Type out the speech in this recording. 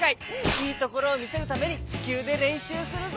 いいところをみせるためにちきゅうでれんしゅうするぞ！